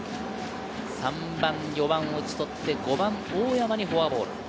３番、４番を打ち取って５番・大山にフォアボール。